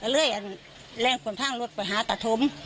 เลยมันเล่นคนทะอังรุดไปหาตาถุ่ม